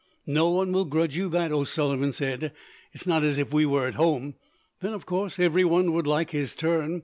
"No one will grudge you that," O'Sullivan said. "It is not as if we were at home. Then, of course, everyone would like his turn.